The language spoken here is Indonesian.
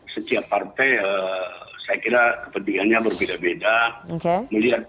setiap partai saya kira kepentingannya berbeda beda